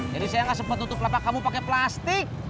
jadi saya nggak sempat tutup lapak kamu pakai plastik